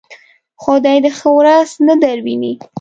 خدای دې ښه ورځ نه درويني.